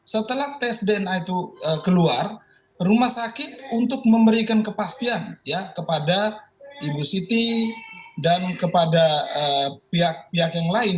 setelah tes dna itu keluar rumah sakit untuk memberikan kepastian kepada ibu siti dan kepada pihak pihak yang lain